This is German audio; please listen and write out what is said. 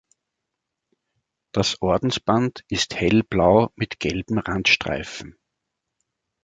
Das Ordensband ist hellblau mit gelben Randstreifen.